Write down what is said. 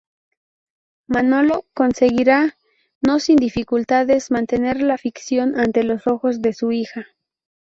Manolo conseguirá, no sin dificultades, mantener la ficción ante los ojos de su hija.